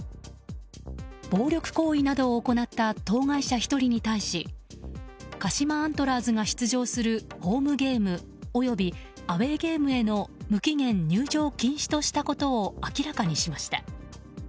暴力行為などを行った当該者１人に対し鹿島アントラーズが出場するホームゲーム及びアウェーゲームへの無期限入場禁止としたことを明らかにしました。